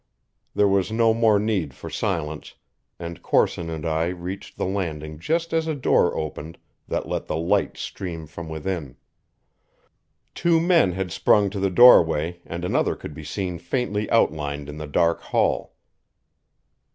There was no more need for silence, and Corson and I reached the landing just as a door opened that let the light stream from within. Two men had sprung to the doorway, and another could be seen faintly outlined in the dark hall.